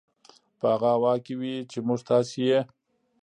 په هغه هوا کې وي چې موږ تاسې یې